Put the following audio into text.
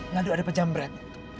lalu ada pejam bread